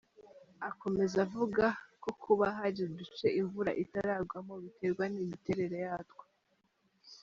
Akomeza avuga ko kuba hari uduce imvura itaragwamo biterwa n’imiterere yatwo.